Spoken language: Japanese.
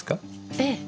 ええ。